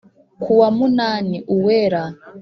kuwa munani uwera